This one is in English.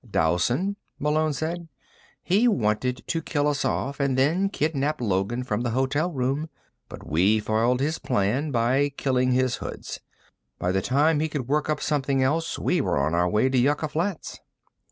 "Dowson," Malone said. "He wanted to kill us off, and then kidnap Logan from the hotel room. But we foiled his plan by killing his hoods. By the time he could work up something else, we were on our way to Yucca Flats."